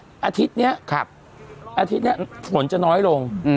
ซึ่งอาทิตย์นี้อาทิตย์นี้อาทิตย์นี้ฝนจะน้อยลง